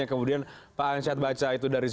kemudian pak ansjat baca itu dari situ